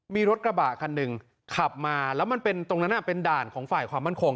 มีรถกระบะคันหนึ่งขับมาแล้วมันเป็นตรงนั้นเป็นด่านของฝ่ายความมั่นคง